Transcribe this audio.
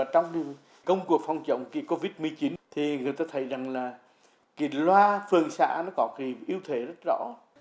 trong công cuộc phòng trọng covid một mươi chín thì người ta thấy là loa phường xã có cái yếu thể rất rõ